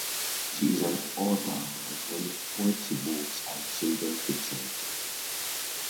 She is an author of many poetry books and children fictions.